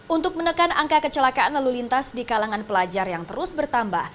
untuk menekan angka kecelakaan lalu lintas di kalangan pelajar yang terus bertambah